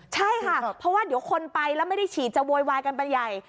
ใช่ค่ะเพราะว่าเดี๋ยวคนไปแล้วไม่ได้ฉีดจะโวยวายกันไปใหญ่